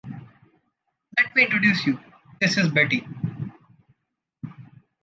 Let me introduce you. This is Betty.